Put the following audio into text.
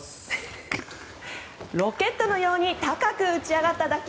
ロケットのように高く打ち上がった打球。